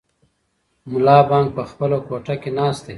ملا بانګ په خپله کوټه کې ناست دی.